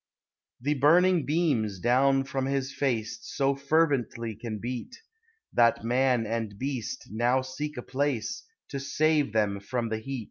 The burning beams down from his face So fervently can beat, That man and beast now seek a place To save them from the heat.